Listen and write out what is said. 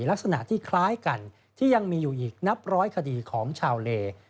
ลักษณะที่คล้ายกันที่ยังมีอยู่อีกนับร้อยคดีของชาวเล